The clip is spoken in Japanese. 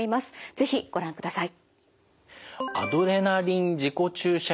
是非ご覧ください。